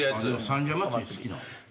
三社祭好きなん？